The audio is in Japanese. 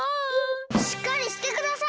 しっかりしてください！